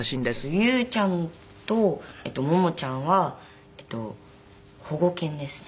ゆゆちゃんとももちゃんは保護犬ですね。